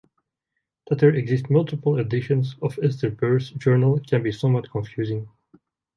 That there exist multiple editions of Esther Burr's Journal can be somewhat confusing.